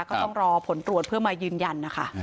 ก็ต้องรอผลตรวจเพื่อมายืนยันนะคะ